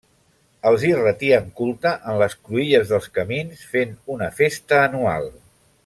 Els hi retien culte en les cruïlles dels camins, fent una festa anual.